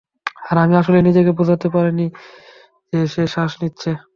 আর আমি আসলে নিজেকে বোঝাতে পারিনি যে সে শ্বাস নিচ্ছে।